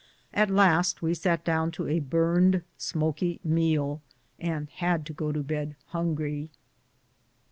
At last we sat down to a burned, smoky meal, and had to go to bed hungry.